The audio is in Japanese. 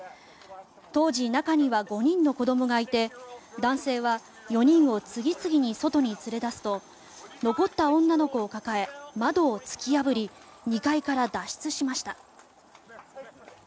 当時、中には５人の子どもがいて男性は４人を次々に外に連れ出すと残った女の子を抱え窓を突き破り２階から脱出しました。